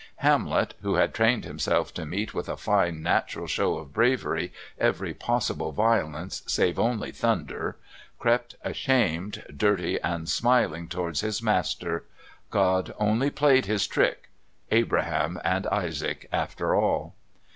Hamlet (who had trained himself to meet with a fine natural show of bravery every possible violence save only thunder) crept ashamed, dirty and smiling towards his master. God had only played His trick Abraham and Isaac after all.